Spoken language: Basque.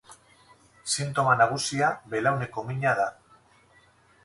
Sintoma nagusia belauneko mina da.